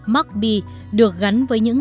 mockb được gắn với những